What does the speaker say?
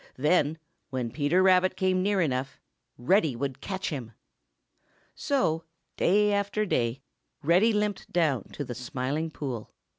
Then, when Peter Rabbit came near enough, Reddy would catch him. So day after day Reddy limped down to the Smiling Pool.